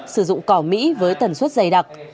sử dụng cỏ mỹ với tần suất dày đặc